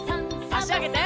あしあげて。